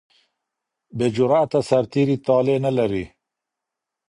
بې جراته سرتیري طالع نه لري.